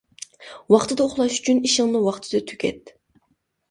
ۋاقتىدا ئۇخلاش ئۈچۈن ئىشىڭنى ۋاقتىدا تۈگەت.